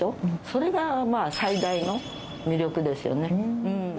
それが最大の魅力ですよね。